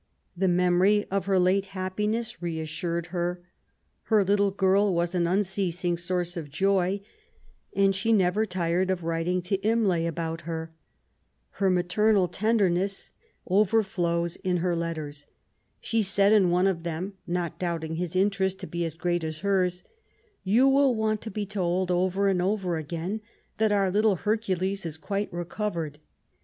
The memory of her late happiness reassured her. Her little girl was an unceasing source of joy, and she never tired of writing to Imlay about her. Her maternal tenderness over 13« MARY W0LL8T0NECBAFT GODWIN. flows in her letters. She said in one of them^ not doubting his interest to be as great as hers :—... Ton will want to be told over and oTer agiin that our little Hercules is qnite recoTered.